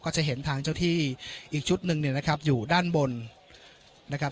จะเห็นทางเจ้าที่อีกชุดหนึ่งเนี่ยนะครับอยู่ด้านบนนะครับ